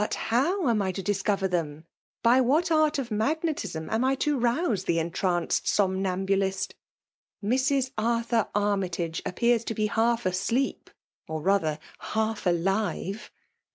how am I to discover th^m ? By what att of magnetism am I to rouse the entranced somnambulist ?— ^Mrs. Arthur Army 70 FSMAL£ t>OMlVkr9QIH% iMge appears to be half asleep, or rather half alive."